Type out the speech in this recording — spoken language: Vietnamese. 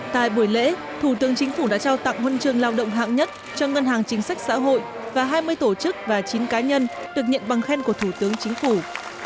tại buổi lễ thủ tướng chính phủ đã trao tặng huân trường lao động hạng nhất cho ngân hàng chính sách xã hội và hai mươi tổ chức và chín cá nhân được nhận bằng khen của thủ tướng chính phủ